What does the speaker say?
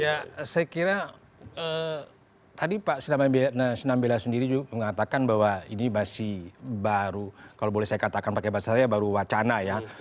ya saya kira tadi pak sinambela sendiri juga mengatakan bahwa ini masih baru kalau boleh saya katakan pakai bahasa saya baru wacana ya